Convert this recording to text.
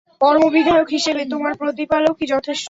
কর্মবিধায়ক হিসেবে তোমার প্রতিপালকই যথেষ্ট।